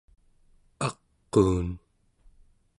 aquun¹